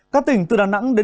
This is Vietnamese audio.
các tỉnh từ đà nẵng đến